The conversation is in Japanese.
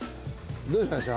どうしました？